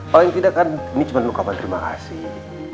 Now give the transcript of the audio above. paling tidak kan ini cuma mengucapkan terima kasih